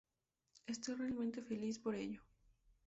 Estoy realmente feliz por ello".